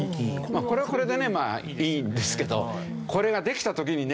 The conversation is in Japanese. これはこれでねまあいいんですけどこれができた時にね